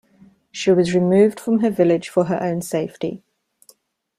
She was removed from her village for her own safety.